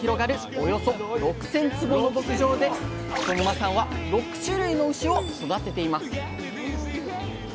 およそ６，０００坪の牧場で磯沼さんは６種類の牛を育てています